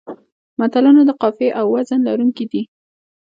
متلونه د قافیې او وزن لرونکي دي